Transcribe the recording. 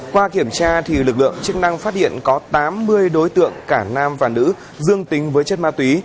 qua kiểm tra lực lượng chức năng phát hiện có tám mươi đối tượng cả nam và nữ dương tính với chất ma túy